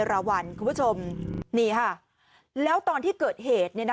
กลุ่มหนึ่งก็คือ